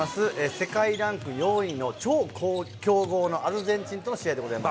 世界ランク４位の超強豪のアルゼンチンとの試合でございます。